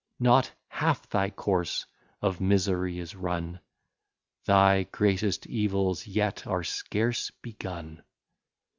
Not half thy course of misery is run, Thy greatest evils yet are scarce begun.